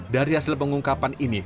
dari hasil pengungkapan ini